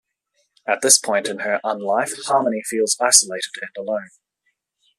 At this point in her un-life, Harmony feels isolated and alone.